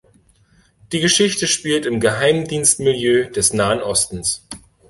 Die Geschichte spielt im Geheimdienst-Milieu des Nahen Ostens.